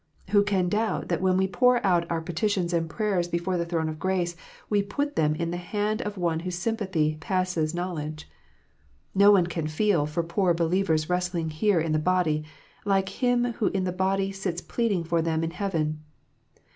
Who can doubt that when we pour out our petitions and prayers before the throne of grace, we put them in the hand of One whose sympathy passes know ledge 1 None can feel for poor believers wrestling here in the body, like Him who in the body sits pleading for them in heaven.